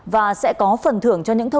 và sẽ có phần thưởng cho những người